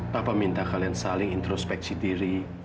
bapak minta kalian saling introspeksi diri